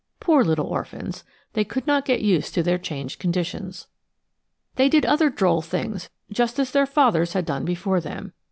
Poor little orphans, they could not get used to their changed conditions! They did other droll things just as their fathers had done before them.